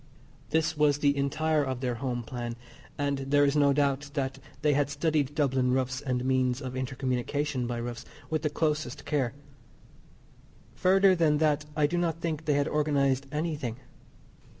This was the entire of their home plan, and there is no doubt that they had studied Dublin roofs and means of inter communication by roofs with the closest care. Further than that I do not think they had organised anything.